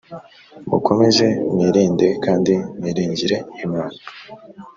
mukomeze mwirinde kandi mwiringire Imana